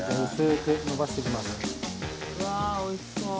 うわ美味しそう。